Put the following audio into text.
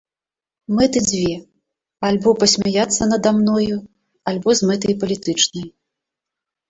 Мэты дзве, альбо пасмяяцца нада мною, альбо з мэтай палітычнай.